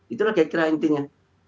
itulah kira kira intinya